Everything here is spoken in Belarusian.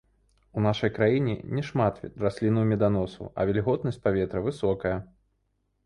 У нашай краіне не шмат раслінаў-меданосаў, а вільготнасць паветра высокая.